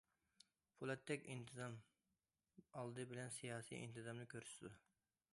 پولاتتەك ئىنتىزام ئالدى بىلەن سىياسىي ئىنتىزامنى كۆرسىتىدۇ.